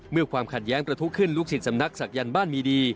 ความขัดแย้งประทุขึ้นลูกศิษย์สำนักศักยันต์บ้านมีดี